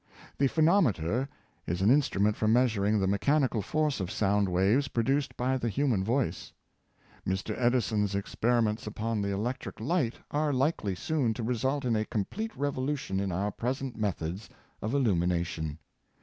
The phonometer is an instrument for measuring the mechanical force of sound waves produced by the hu man voice. Mr. Edison's experiments upon the electric light are likely soon to result in a complete revolution in our present methods of illumination.